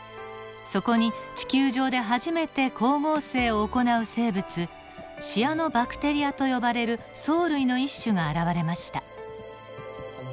そこに地球上で初めて光合成を行う生物シアノバクテリアと呼ばれる藻類の一種が現れました。